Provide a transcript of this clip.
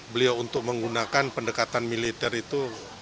beliau untuk menggunakan pendekatan militer itu